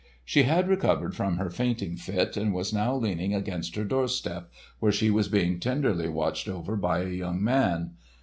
She had recovered from her fainting fit and was now leaning against her doorstep, where she was being tenderly watched over by a young man.